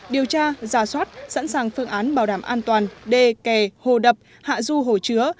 điều tra giả soát sẵn sàng phương án bảo đảm an toàn đê kè hồ đập hạ du hồ chứa